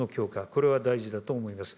これは大事だと思います。